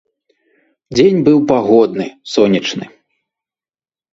Дзень быў пагодны, сонечны.